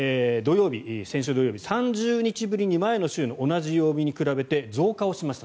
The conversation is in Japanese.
先週土曜日、３０日ぶりに前の週の同じ曜日に比べて増加をしました。